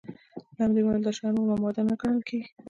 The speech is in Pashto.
له همدې امله دا شیان اومه ماده نه ګڼل کیږي.